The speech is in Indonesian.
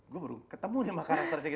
gue baru ketemu nih sama karakter segi